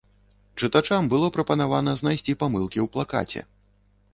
Чытачам было прапанавана знайсці памылкі ў плакаце.